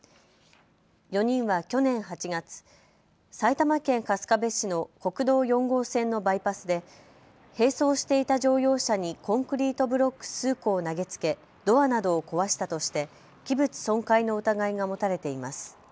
４人は去年８月、埼玉県春日部市の国道４号線のバイパスで並走していた乗用車にコンクリートブロック数個を投げつけドアなどを壊したとして器物損壊の疑いが持たれています。